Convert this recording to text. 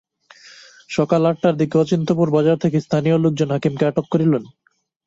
সকাল আটটার দিকে অচিন্ত্যপুর বাজার থেকে স্থানীয় লোকজন হাকিমকে আটক করেন।